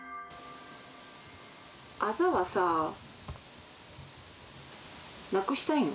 あざはさ、なくしたいの？